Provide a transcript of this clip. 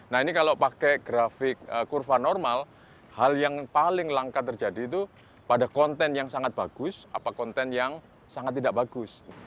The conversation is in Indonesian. nah ini kalau pakai grafik kurva normal hal yang paling langka terjadi itu pada konten yang sangat bagus atau konten yang sangat tidak bagus